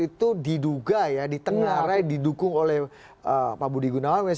itu diduga ya ditengarai didukung oleh pak budi gunawan